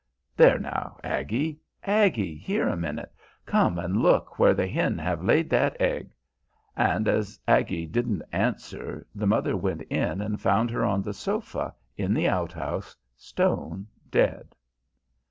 There now, Aggie, Aggie, here a minute, come and look where the hen have laid that egg.' And as Aggie didn't answer the mother went in and found her on the sofa in the outhouse, stone dead."